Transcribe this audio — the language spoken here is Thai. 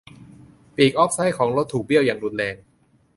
ปีกออฟไซด์ของรถถูกเบี้ยวอย่างรุนแรง